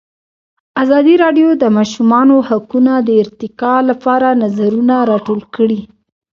ازادي راډیو د د ماشومانو حقونه د ارتقا لپاره نظرونه راټول کړي.